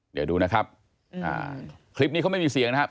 เดี๋ยวดูนะครับคลิปนี้เขาไม่มีเสียงนะครับ